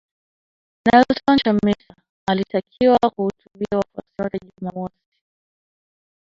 Nelson Chamisa, alitakiwa kuhutubia wafuasi wake Jumamosi